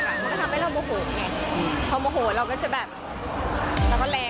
ก็ทำให้เรามงบไง